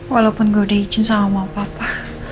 walaupun gue udah izin sama mama papa